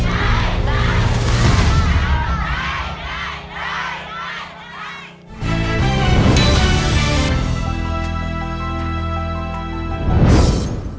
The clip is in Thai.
ได้ได้ได้ได้